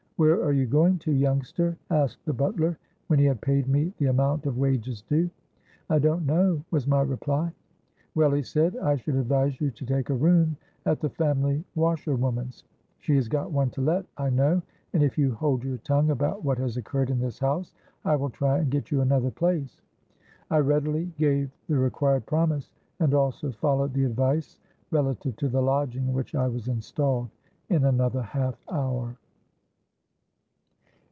'Where are you going to, youngster?' asked the butler, when he had paid me the amount of wages due.—'I don't know,' was my reply.—'Well,' he said, 'I should advise you to take a room at the family washerwoman's. She has got one to let, I know; and if you hold your tongue about what has occurred in this house, I will try and get you another place.' I readily gave the required promise, and also followed the advice relative to the lodging, in which I was installed in another half hour.